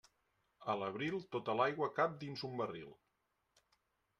A l'abril, tota l'aigua cap dins un barril.